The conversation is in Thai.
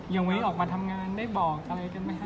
อย่างวันนี้ออกมาทำงานได้บอกอะไรอีกสังเกตหนึ่งมั้ยคะ